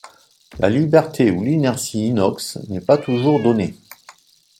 La liberté ou l'inertie inox n'est pas toujours donnée.